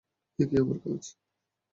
এ কি আমার কাজ?